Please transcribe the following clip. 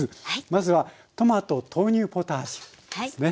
まずはトマト豆乳ポタージュですね。